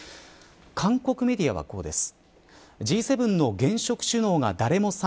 韓国メディアはこうです。